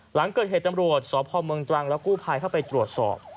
หลังเกิดเหตุตำรวจสพเมืองตรังและกู้ภัยเข้าไปตรวจสอบ